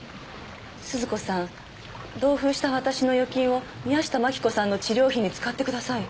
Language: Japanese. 「鈴子さん同封した私の預金を宮下真紀子さんの治療費に使ってください」